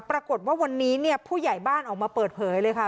ปรากฏว่าวันนี้เนี่ยผู้ใหญ่บ้านออกมาเปิดเผยเลยค่ะ